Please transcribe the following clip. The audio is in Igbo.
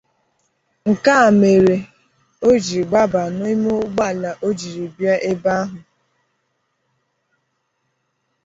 Nke a mere o jiri gbaba n’ịme ụgbọala o jiri bia ebe ahụ